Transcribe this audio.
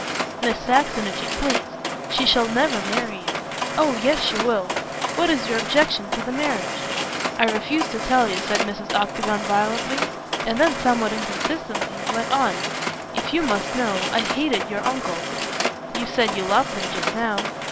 "Miss Saxon, if you please. She shall never marry you." "Oh, yes, she will. What is your objection to the marriage?" "I refuse to tell you," said Mrs. Octagon violently, and then somewhat inconsistently went on: "If you must know, I hated your uncle." "You said you loved him just now."